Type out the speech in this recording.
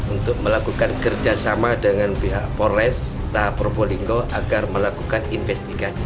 untuk melakukan kerjasama dengan pihak polresta probolinggo agar melakukan investigasi